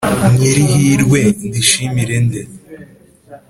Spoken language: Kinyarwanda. nk’iri hirwe ndishimire nde